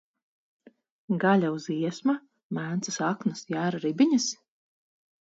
Gaļa uz iesma, mencas aknas, jēra ribiņas?